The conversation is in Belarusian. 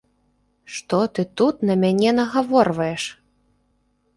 Што ты тут на мяне нагаворваеш!